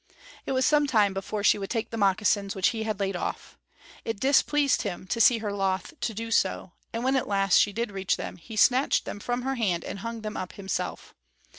It was some time before she would take the moccasins which he had laid off. It displeased him to see her loth to do so; and when at last she did reach them, he snatched them from her hand and hung them up himself.